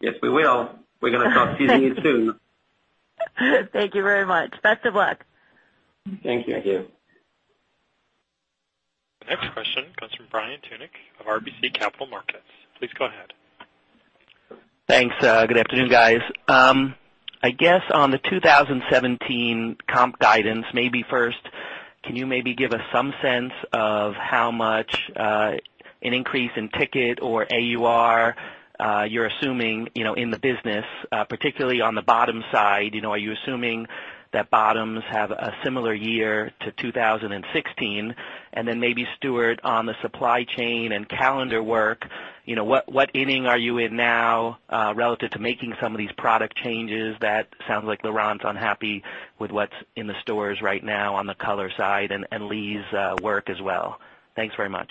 Yes, we will. We're going to start teasing it soon. Thank you very much. Best of luck. Thank you. Thank you. The next question comes from Brian Tunick of RBC Capital Markets. Please go ahead. Thanks. Good afternoon, guys. I guess on the 2017 comp guidance, maybe first, can you maybe give us some sense of how much an increase in ticket or AUR you're assuming in the business particularly on the bottom side? Are you assuming that bottoms have a similar year to 2016? Then maybe Stuart, on the supply chain and calendar work, what inning are you in now relative to making some of these product changes that sounds like Laurent's unhappy with what's in the stores right now on the color side, and Lee's work as well? Thanks very much.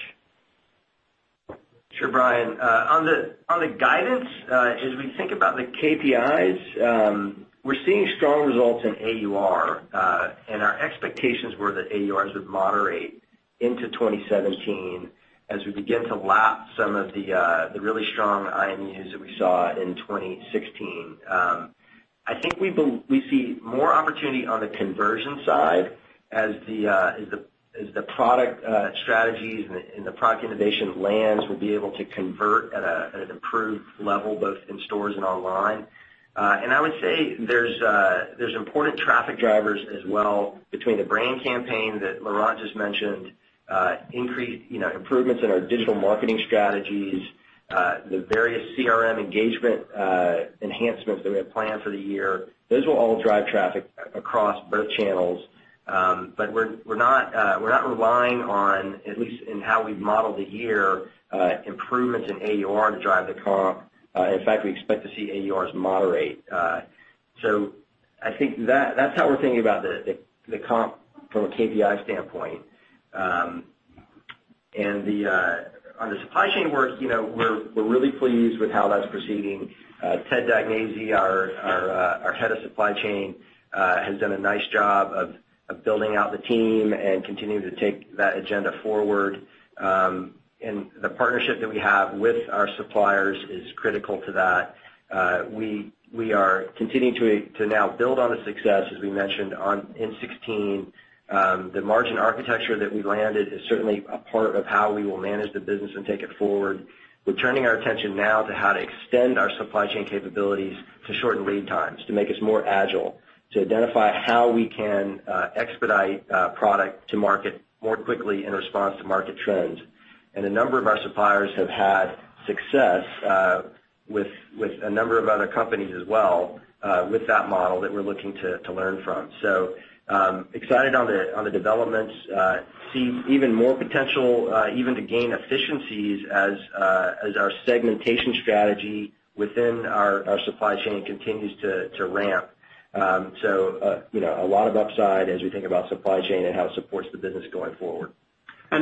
Sure, Brian. On the guidance, as we think about the KPIs, we're seeing strong results in AUR. Our expectations were that AURs would moderate into 2017 as we begin to lap some of the really strong IMUs that we saw in 2016. I think we see more opportunity on the conversion side as the product strategies and the product innovation lands, we'll be able to convert at an improved level, both in stores and online. I would say there's important traffic drivers as well between the brand campaign that Laurent just mentioned, improvements in our digital marketing strategies. The various CRM engagement enhancements that we have planned for the year, those will all drive traffic across both channels. We're not relying on, at least in how we've modeled the year, improvements in AUR to drive the comp. In fact, we expect to see AURs moderate. I think that's how we're thinking about the comp from a KPI standpoint. On the supply chain work, we're really pleased with how that's proceeding. Ted Dagnese, our head of supply chain, has done a nice job of building out the team and continuing to take that agenda forward. The partnership that we have with our suppliers is critical to that. We are continuing to now build on the success, as we mentioned, in 2016. The margin architecture that we landed is certainly a part of how we will manage the business and take it forward. We're turning our attention now to how to extend our supply chain capabilities to shorten lead times, to make us more agile, to identify how we can expedite product to market more quickly in response to market trends. A number of our suppliers have had success, with a number of other companies as well, with that model that we're looking to learn from. Excited on the developments. See even more potential even to gain efficiencies as our segmentation strategy within our supply chain continues to ramp. A lot of upside as we think about supply chain and how it supports the business going forward.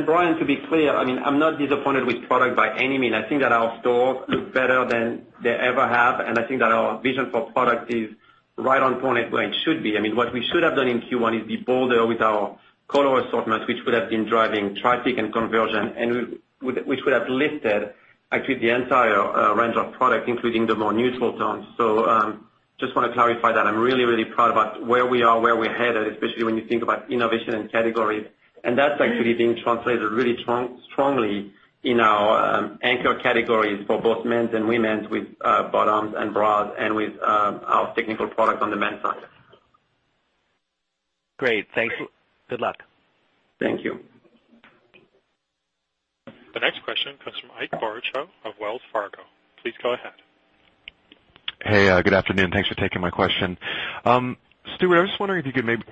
Brian, to be clear, I'm not disappointed with product by any means. I think that our stores look better than they ever have, and I think that our vision for product is right on point where it should be. What we should have done in Q1 is be bolder with our color assortment, which would have been driving traffic and conversion, and which would have lifted actually the entire range of product, including the more neutral tones. Just want to clarify that I'm really, really proud about where we are, where we're headed, especially when you think about innovation and categories. That's actually being translated really strongly in our anchor categories for both men's and women's, with bottoms and bras and with our technical product on the men's side. Great. Thank you. Good luck. Thank you. The next question comes from Ike Boruchow of Wells Fargo. Please go ahead. Hey, good afternoon. Thanks for taking my question. Stuart, I was wondering if you could maybe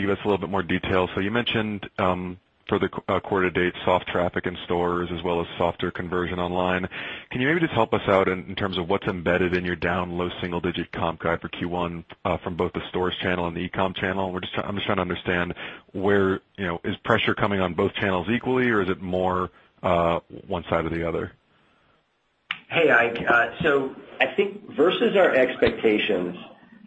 give us a little bit more detail. You mentioned, for the quarter to date, soft traffic in stores as well as softer conversion online. Can you maybe just help us out in terms of what's embedded in your down low single digit comp guide for Q1 from both the stores channel and the e-com channel? I'm just trying to understand is pressure coming on both channels equally or is it more one side or the other? Hey, Ike. I think versus our expectations,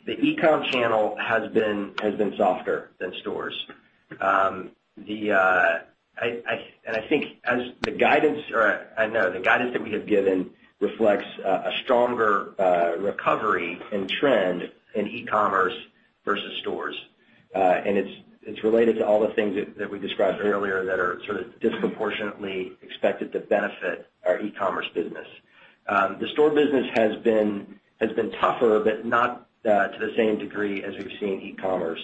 the e-com channel has been softer than stores. I think the guidance that we have given reflects a stronger recovery in trend in e-commerce versus stores. It's related to all the things that we described earlier that are sort of disproportionately expected to benefit our e-commerce business. The store business has been tougher, but not to the same degree as we've seen e-commerce.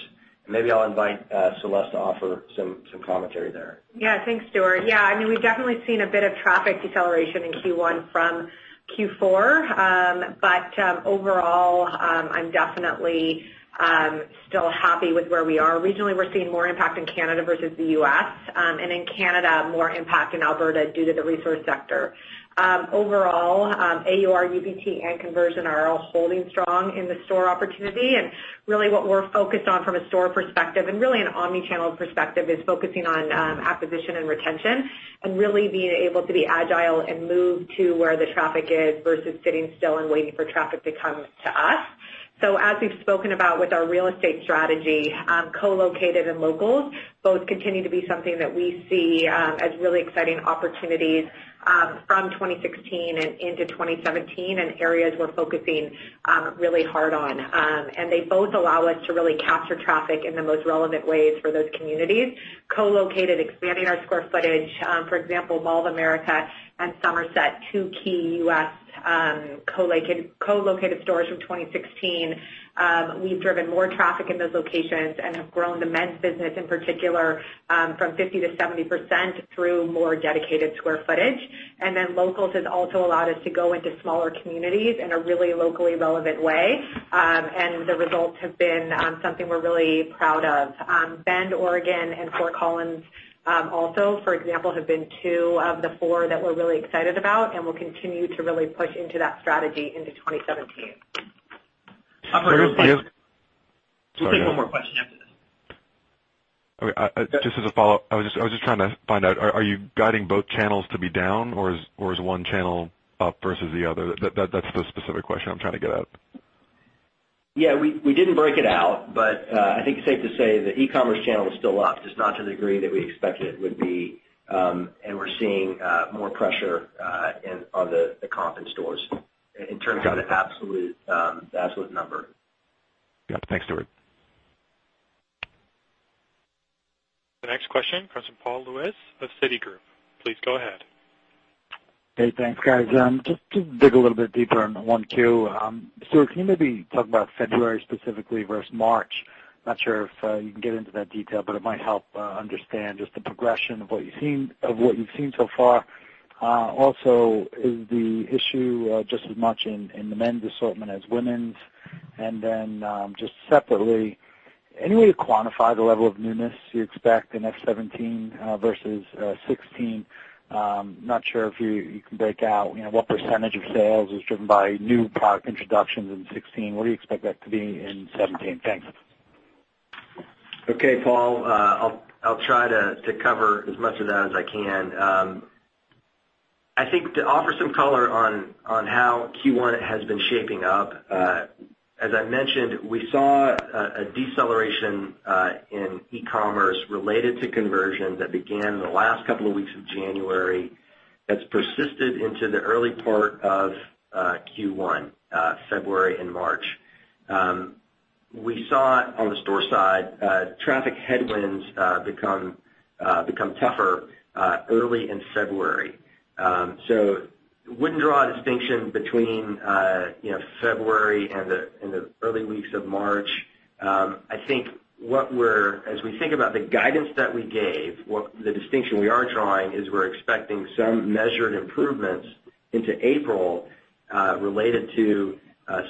Maybe I'll invite Celeste to offer some commentary there. Yeah, thanks, Stuart. We've definitely seen a bit of traffic deceleration in Q1 from Q4. Overall, I'm definitely still happy with where we are. Regionally, we're seeing more impact in Canada versus the U.S. In Canada, more impact in Alberta due to the resource sector. Overall, AUR, UPT, and conversion are all holding strong in the store opportunity. Really what we're focused on from a store perspective, and really an omni-channel perspective, is focusing on acquisition and retention and really being able to be agile and move to where the traffic is versus sitting still and waiting for traffic to come to us. As we've spoken about with our real estate strategy, co-located and locals both continue to be something that we see as really exciting opportunities from 2016 and into 2017, and areas we're focusing really hard on. They both allow us to really capture traffic in the most relevant ways for those communities. Co-located, expanding our square footage, for example, Mall of America and Somerset, two key U.S. co-located stores from 2016. We've driven more traffic in those locations and have grown the men's business in particular, from 50% to 70% through more dedicated square footage. Locals has also allowed us to go into smaller communities in a really locally relevant way. The results have been something we're really proud of. Bend, Oregon, and Fort Collins also, for example, have been two of the four that we're really excited about, we'll continue to really push into that strategy into 2017. Operator- Sorry. We'll take one more question after this. Okay. Just as a follow-up, I was just trying to find out, are you guiding both channels to be down, or is one channel up versus the other? That's the specific question I'm trying to get at. Yeah, we didn't break it out, but I think it's safe to say the e-commerce channel is still up, just not to the degree that we expected it would be, and we're seeing more pressure on the comp in stores in terms of the absolute number. Yep. Thanks, Stuart. The next question comes from Paul Lejuez of Citigroup. Please go ahead. Hey, thanks, guys. Just to dig a little bit deeper on 1Q. Stuart, can you maybe talk about February specifically versus March? Not sure if you can get into that detail, but it might help understand just the progression of what you've seen so far. Also, is the issue just as much in the men's assortment as women's? Just separately, any way to quantify the level of newness you expect in F17 versus 16? Not sure if you can break out what % of sales was driven by new product introductions in 16. What do you expect that to be in 17? Thanks. Okay, Paul. I'll try to cover as much of that as I can. I think to offer some color on how Q1 has been shaping up. As I mentioned, we saw a deceleration in e-commerce related to conversions that began in the last couple of weeks of January. That's persisted into the early part of Q1, February and March. We saw it on the store side, traffic headwinds become tougher early in February. Wouldn't draw a distinction between February and the early weeks of March. I think as we think about the guidance that we gave, the distinction we are drawing is we're expecting some measured improvements into April related to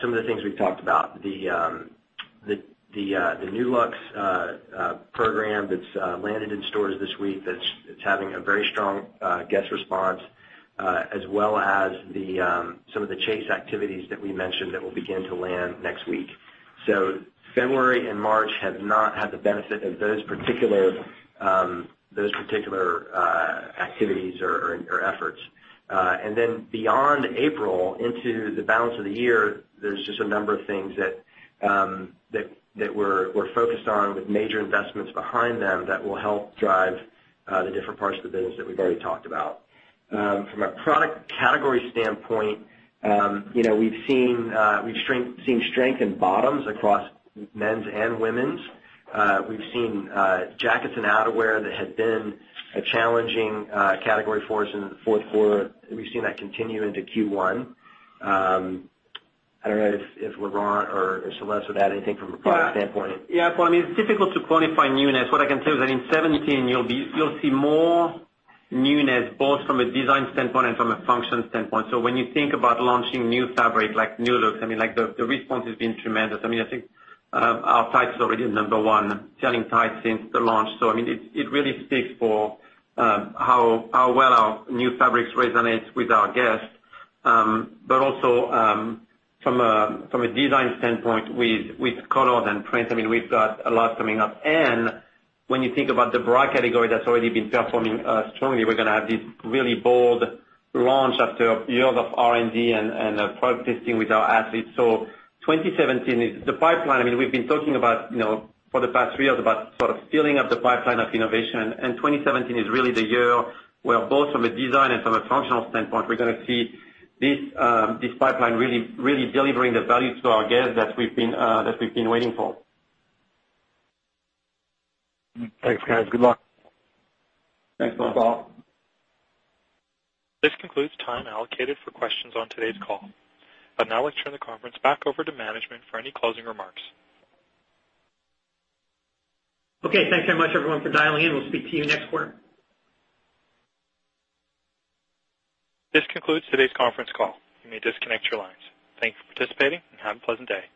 some of the things we've talked about. The Nulux program that's landed in stores this week, that's having a very strong guest response, as well as some of the chase activities that we mentioned that will begin to land next week. February and March have not had the benefit of those particular activities or efforts. Beyond April into the balance of the year, there's just a number of things that we're focused on with major investments behind them that will help drive the different parts of the business that we've already talked about. From a product category standpoint, we've seen strength in bottoms across men's and women's. We've seen jackets and outerwear that had been a challenging category for us in the fourth quarter. We've seen that continue into Q1. I don't know if Laurent or Celeste would add anything from a product standpoint. Yeah. Paul, it's difficult to quantify newness. What I can tell you is that in 2017 you'll see more newness, both from a design standpoint and from a function standpoint. When you think about launching new fabric, like Nulux, the response has been tremendous. I think our tights are already number 1 selling tights since the launch. It really speaks for how well our new fabrics resonates with our guests. Also, from a design standpoint with colors and prints, we've got a lot coming up. When you think about the bra category that's already been performing strongly, we're going to have this really bold launch after years of R&D and product testing with our athletes. 2017 is the pipeline. We've been talking about for the past 3 years about sort of filling up the pipeline of innovation, and 2017 is really the year where both from a design and from a functional standpoint, we're going to see this pipeline really delivering the value to our guests that we've been waiting for. Thanks, guys. Good luck. Thanks a lot, Paul. This concludes time allocated for questions on today's call. I'd now like to turn the conference back over to management for any closing remarks. Okay. Thanks very much, everyone, for dialing in. We'll speak to you next quarter. This concludes today's conference call. You may disconnect your lines. Thank you for participating and have a pleasant day.